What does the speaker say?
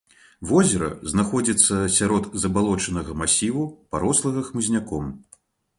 Возера знаходзіцца сярод забалочанага масіву, парослага хмызняком.